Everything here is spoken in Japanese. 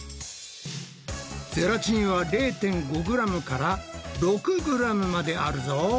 ゼラチンは０．５ｇから６ｇまであるぞ。